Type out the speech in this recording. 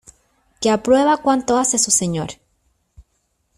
que aprueba cuanto hace su señor.